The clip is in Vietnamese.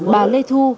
bà lê thu